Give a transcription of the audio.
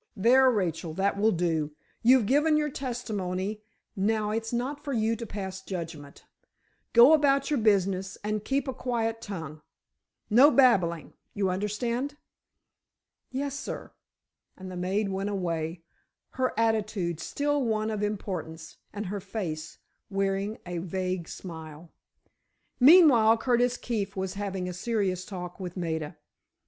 "There, Rachel, that will do. You've given your testimony, now it's not for you to pass judgment. Go about your business, and keep a quiet tongue. No babbling—you understand?" "Yes, sir," and the maid went away, her attitude still one of importance, and her face wearing a vague smile. Meantime Curtis Keefe was having a serious talk with Maida.